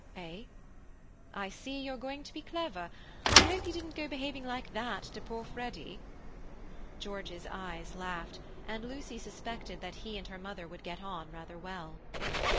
"Eh—?" "I see you're going to be clever. I hope you didn't go behaving like that to poor Freddy." George's eyes laughed, and Lucy suspected that he and her mother would get on rather well.